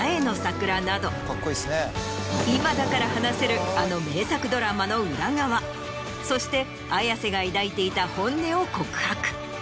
今だから話せるあの名作ドラマの裏側そして綾瀬が抱いていた本音を告白。